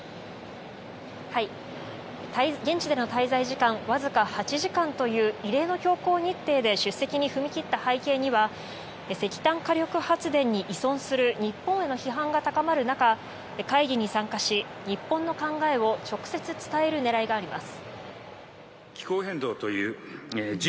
現地での滞在時間はわずか８時間という異例の強行日程で出席に踏み切った背景には石炭火力発電に依存する日本への批判が高まる中会議に参加し、日本の考えを直接伝える狙いがあります。